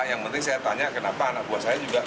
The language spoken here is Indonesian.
yang penting saya tanya kenapa anak buah saya juga